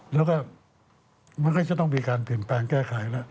แล้วก็มันก็จะต้องมีการเปลี่ยนแปลงแก้ไขแล้ว